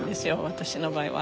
私の場合は。